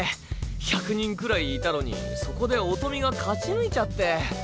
１００人くらいいたのにそこで音美が勝ち抜いちゃって。